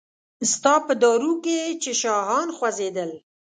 ستا په دارو کې چې شاهان خوځیدل